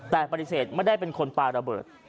แต่ปฏิเสธไม่ได้เป็นคนปลาระเบิด